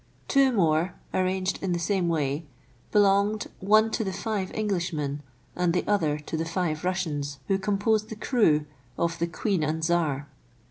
Two more, arranged in the same way, belonged, one to the five Englishmen and the other to the five Russians who composed the crew of the " Queen and Czar."